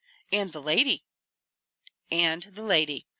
"And the lady." "And the lady.